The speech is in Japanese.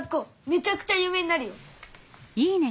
めちゃくちゃゆう名になるよ！